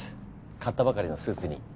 買ったばかりのスーツに。